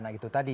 dan gitu tadi